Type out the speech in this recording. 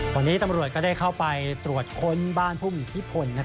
วันนี้ตำรวจก็ได้เข้าไปตรวจค้นบ้านผู้มีอิทธิพล